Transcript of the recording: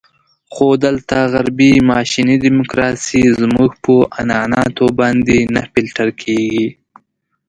خو دلته غربي ماشیني ډیموکراسي زموږ په عنعناتو باندې نه فلتر کېږي.